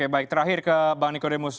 baik terakhir ke bang niko demus